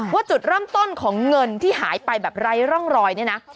จุดเริ่มต้นของเงินที่หายไปแบบไร้ร่องรอยเนี่ยนะ